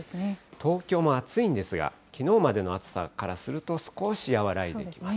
東京も暑いんですが、きのうまでの暑さからすると、少し和らいでいきます。